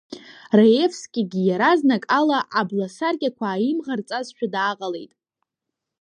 Раевскигьы иаразнак ала абласаркьақәа ааимӷарҵазшәа дааҟалеит.